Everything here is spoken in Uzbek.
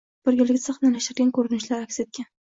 Birgalikda sahnalashtirgan ko‘rinishlari aks etgan